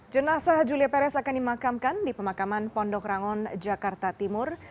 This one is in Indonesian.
jenasa julia perez akan dimakamkan di pemakaman pondok rangon jakarta timur